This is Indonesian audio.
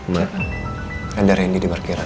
ma rendah ren di parkiran